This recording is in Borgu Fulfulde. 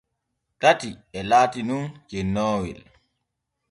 Tati e laati nun cennoowel.